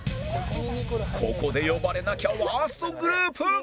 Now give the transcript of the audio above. ここで呼ばれなきゃワーストグループ